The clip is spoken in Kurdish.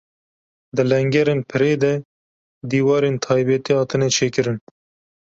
Di lengerên pirê de dîwarên taybetî hatine çêkirin.